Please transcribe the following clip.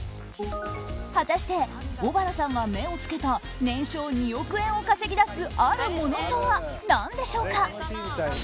果たして、小原さんが目を付けた年商２億円を稼ぎ出すあるものとは何でしょうか。